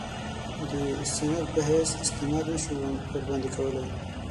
د سند په حیث استناد نه شو ورباندې کولای.